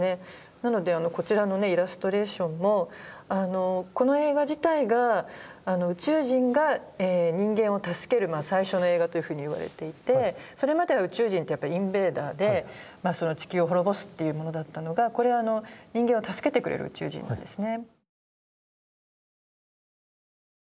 なのでこちらのねイラストレーションもこの映画自体が宇宙人が人間を助ける最初の映画というふうにいわれていてそれまでは宇宙人ってやっぱインベーダーで地球を滅ぼすっていうものだったのがこれは人間を助けてくれる宇宙人なんですね。